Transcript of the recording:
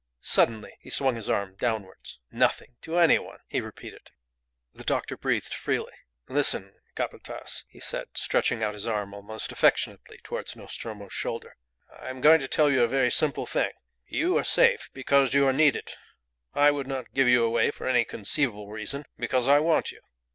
Suddenly " He swung his arm downwards. "Nothing to any one," he repeated. The doctor breathed freely. "Listen, Capataz," he said, stretching out his arm almost affectionately towards Nostromo's shoulder. "I am going to tell you a very simple thing. You are safe because you are needed. I would not give you away for any conceivable reason, because I want you."